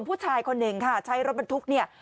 ผู้ชายคนหนึ่งค่ะใช้รถบรรทุกเนี่ย